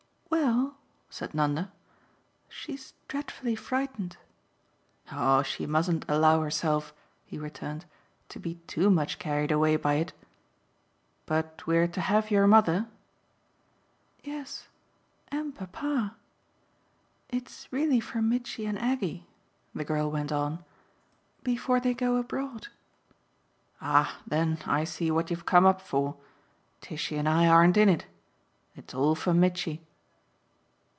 "Well," said Nanda, "she's dreadfully frightened." "Oh she mustn't allow herself," he returned, "to be too much carried away by it. But we're to have your mother?" "Yes, and papa. It's really for Mitchy and Aggie," the girl went on "before they go abroad." "Ah then I see what you've come up for! Tishy and I aren't in it. It's all for Mitchy."